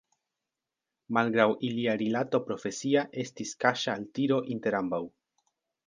Malgraŭ ilia rilato profesia estis kaŝa altiro inter ambaŭ.